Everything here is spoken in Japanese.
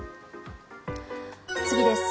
次です。